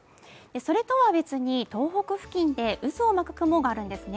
それとは別に東北付近で渦を巻く雲があるんですね